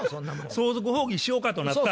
相続放棄しようかとなった。